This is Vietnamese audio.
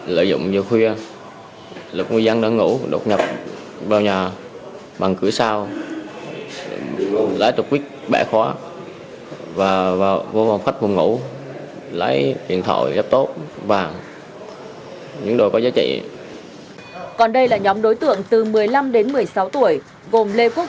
còn đây là nhóm đối tượng từ một mươi năm đến một mươi sáu tuổi gồm lê quốc huy chú quận sơn sơn